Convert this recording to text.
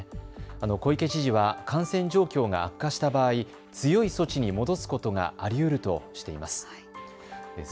小池知事は感染状況が悪化した場合、強い措置に戻すことがありうるとしています。